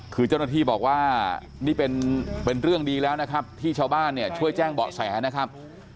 คือเจ้าหน้าที่บอกว่านี่เป็นเรื่องดีแล้วนะครับที่ชาวบ้านเนี่ยช่วยแจ้งเบาะแสนะครับ